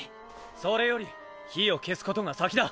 それより火を消す事が先だ！